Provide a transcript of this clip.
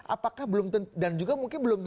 apakah belum dan juga mungkin belum